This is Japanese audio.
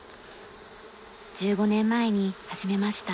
１５年前に始めました。